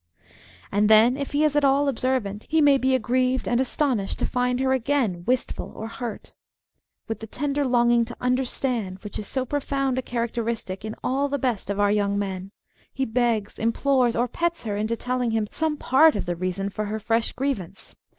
And then, if he is at all observant, he may be aggrieved and astonished to find her again wistfol or hurt. With the tender longing to understand, which is so profound a characteristic in all the best of our young men, he begs, implores, or pets her into telling him some part of the reason for her fresh grievance.